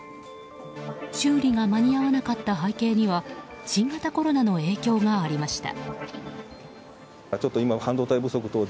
修理が間に合わなかった背景には新型コロナの影響がありました。